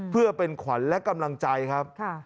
เพื่อเป็นขวัญและกำลังใจครับ